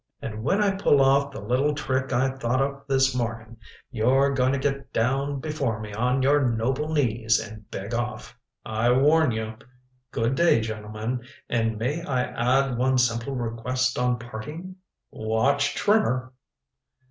And when I pull off the little trick I thought of this morning, you're going to get down before me on your noble knees, and beg off. I warn you. Good day, gentlemen. And may I add one simple request on parting? Watch Trimmer!"